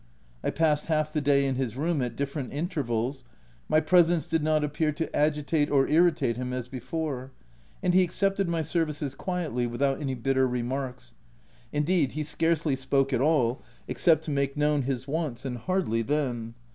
I passed half the day in his room at different intervals. My presence did not appear to agitate or irritate him as before, and he ac cepted my services quietly, without any bitter remarks — indeed he scarcely spoke at all, ex cept to make known his wants, and hardly then.